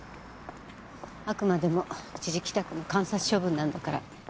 あくまでも一時帰宅の観察処分なんだから。